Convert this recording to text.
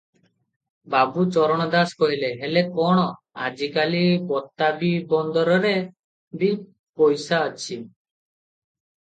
ବାବୁ ଚରଣ ଦାସ କହିଲେ-ହେଲେ କଣ, ଆଜି କାଲି ବତାବୀ ବନ୍ଦରରେ ଦି ପଇସା ଅଛି ।